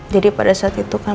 jadi pada saat itu kan